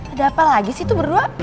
ada apa lagi sih itu berdua